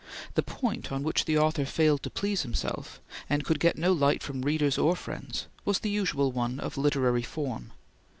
The point on which the author failed to please himself, and could get no light from readers or friends, was the usual one of literary form.